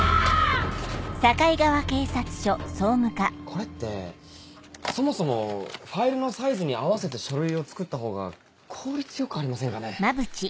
これってそもそもファイルのサイズに合わせて書類を作ったほうが効率よくありませんかね？